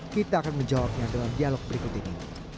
kita akan menjawabnya dalam dialog berikut ini